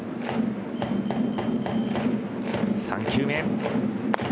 ３球目。